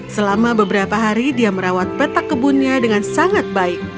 selama beberapa hari dia merawat petak kebunnya dengan sangat baik